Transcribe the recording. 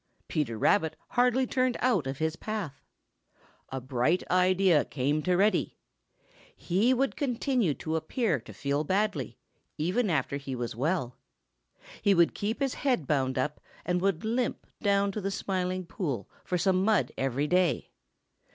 Peter Rabbit hardly turned out of his path. A bright idea came to Reddy. He would continue to appear to feel badly, even after he was well. He would keep his head bound up and would limp down to the Smiling Pool for some mud every day.